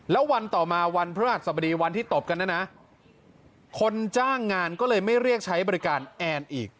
แล้ววันต่อมาวันพระหัสสบดีวันที่ตบกันนะนะคนจ้างงานก็เลยไม่เรียกใช้บริการแอนอีก